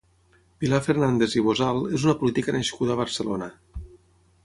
Pilar Fernández i Bozal és una política nascuda a Barcelona.